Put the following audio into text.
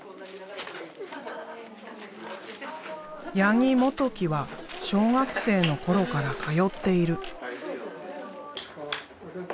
八木志基は小学生の頃から通っている。